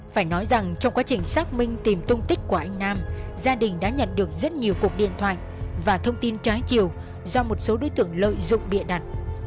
phải nói rằng trong quá trình xác minh tìm tung tích của anh nam gia đình đã nhận được rất nhiều cuộc điện thoại và thông tin trái chiều do một số đối tượng lợi dụng bịa đặt